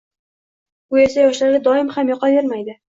Bu esa yoshlarga doim ham yoqavermaydi.